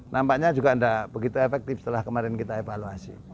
nampaknya juga tidak begitu efektif setelah kemarin kita evaluasi